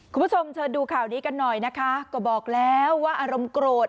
คุณผู้ชมเชิญดูข่าวนี้กันหน่อยนะคะก็บอกแล้วว่าอารมณ์โกรธ